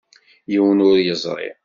Yiwen ur yeẓri.